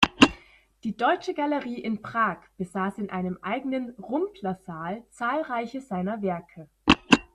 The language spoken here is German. Die "Deutsche Gallerie in Prag" besaß in einem eigenen "Rumpler-Saal" zahlreiche seiner Werke.